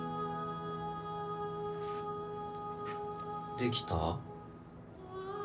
・・できた？